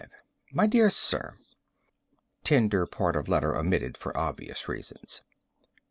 My Dear Sir: [Tender part of letter omitted for obvious reasons.